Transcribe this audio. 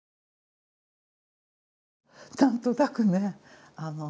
何となくね